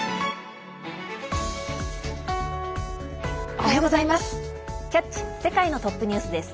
おはようございます。